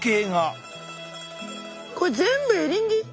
これ全部エリンギ？